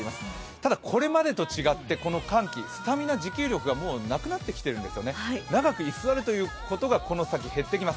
ただこれまでと違って、この寒気、スタミナ、持久力がもうなくなってきているんです長く居座ることがこの先、減ってきます。